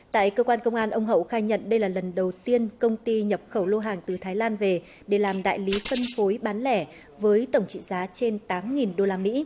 tại cơ quan công an ông hậu khai nhận đây là lần đầu tiên công ty nhập khẩu lô hàng từ thái lan về để làm đại lý phân phối bán lẻ với tổng trị giá trên tám usd